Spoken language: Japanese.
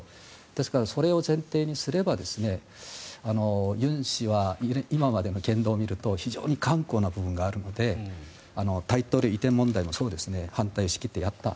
ですから、それを前提にすれば尹氏は今までの言動を見ると非常に頑固な部分があるので大統領府移転問題も反対を押し切ってやった。